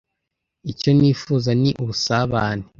Icyo nifuza ni ubusabane.